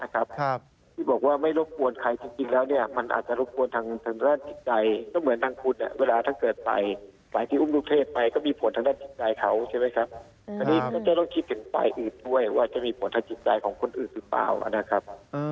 ว่าจะมีผลทั้งหึงใจของคนอื่นหรือเปล่านะครับ